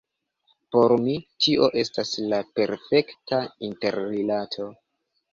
Por mi, tio estas la perfekta interrilato.